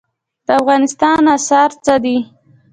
د افغانستان اسعار څه دي؟